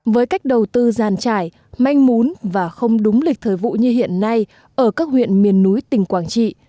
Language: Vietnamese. với cách đầu tư giàn trải manh mún và không đúng lịch thời vụ như hiện nay ở các huyện miền núi tỉnh quảng trị